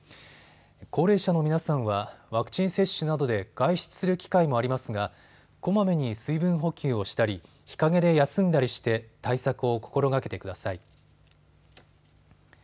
高齢者の皆さんはワクチン接種などで外出する機会もありますがこまめに水分補給をしたり日陰で休んだりして対策を心がけてください。